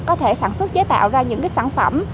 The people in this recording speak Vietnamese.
có thể sản xuất chế tạo ra những sản phẩm